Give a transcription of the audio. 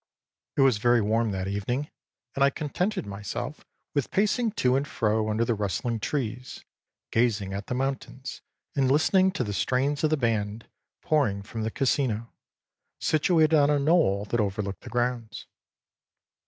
It was very warm that evening, and I contented myself with pacing to and fro under the rustling trees, gazing at the mountains and listening to the strains of the band, pouring from the Casino, situated on a knoll that overlooked the grounds.